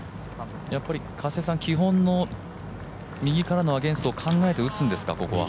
基本の右からのアゲンストを考えて打つんですか、ここは？